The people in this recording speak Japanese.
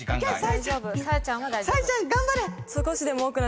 彩瑛ちゃん頑張れ！